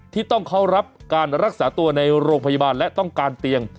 ที่ต้องเข้ารับการรักษาตัวในโรงพยาบาลและต้องการเตียง